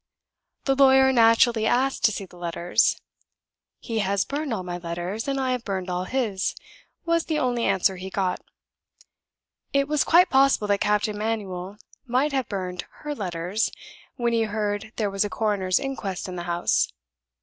The lawyer naturally asked to see the letters. 'He has burned all my letters, and I have burned all his,' was the only answer he got. It was quite possible that Captain Manuel might have burned her letters when he heard there was a coroner's inquest in the house.